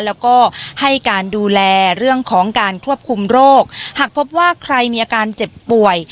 แล้วก็ให้การดูแลเรื่องของการควบคุมโรคหากพบว่าใครมีอาการเจ็บป่วย